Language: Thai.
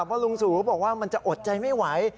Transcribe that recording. เพราะลุงสูบอกว่ามันจะอดใจไม่ไหว